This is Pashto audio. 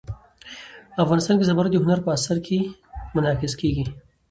افغانستان کې زمرد د هنر په اثار کې منعکس کېږي.